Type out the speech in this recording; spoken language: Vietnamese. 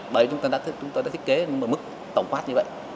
bởi vì chúng ta đã thiết kế mức tổng phát như vậy